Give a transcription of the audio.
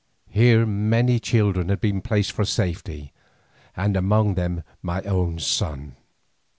Here many children had been placed for safety, among them my own son.